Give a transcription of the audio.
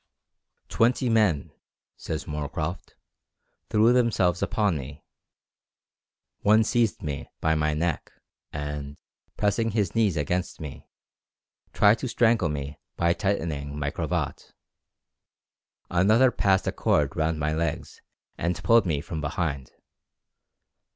"Twenty men," says Moorcroft, "threw themselves upon me. One seized me by my neck, and, pressing his knees against me, tried to strangle me by tightening my cravat; another passed a cord round my legs and pulled me from behind.